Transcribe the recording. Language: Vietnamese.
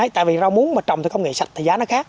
tại vì rau muống mà trồng theo công nghệ sạch thì giá nó khác